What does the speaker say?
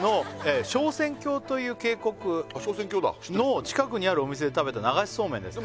「という渓谷の近くにあるお店で食べた流しそうめんです」